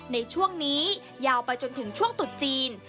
ในช่วงนี้ยาวไปจนถึงช่วงตุดจีน